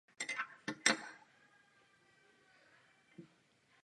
Vaše prohlášení je nepřijatelné.